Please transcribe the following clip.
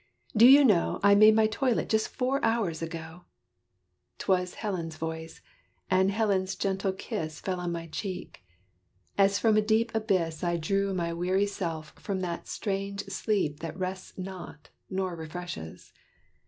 Do you know I made my toilet just four hours ago?" 'T was Helen's voice: and Helen's gentle kiss Fell on my cheek. As from a deep abyss, I drew my weary self from that strange sleep That rests not, nor refreshes.